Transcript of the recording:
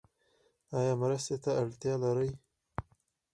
ایا مرستې ته اړتیا لرئ؟